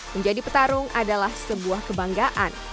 menjadi petarung adalah sebuah kebanggaan